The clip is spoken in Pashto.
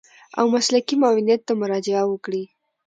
او مسلکي معاونيت ته مراجعه وکړي.